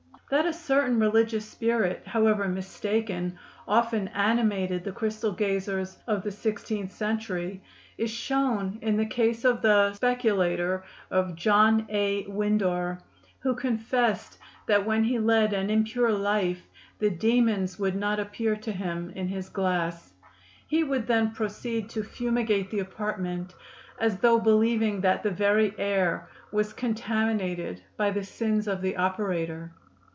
That a certain religious spirit, however mistaken, often animated the crystal gazers of the sixteenth century, is shown in the case of the "speculator" of John a Windor, who confessed that when he led an impure life the "dæmons" would not appear to him in his glass. He would then proceed to fumigate the apartment, as though believing that the very air was contaminated by the sins of the operator.